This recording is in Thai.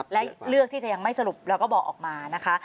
และเลือกที่จะยังไม่สรุปแล้วก็บอกออกมานะคะ